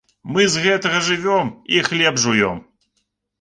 Мы з гэтага жывём і хлеб жуём.